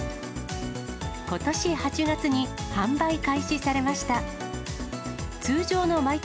ことし８月に販売開始されました。